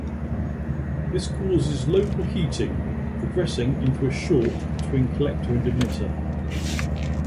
This causes local heating, progressing into a short between collector and emitter.